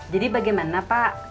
jadi bagaimana pak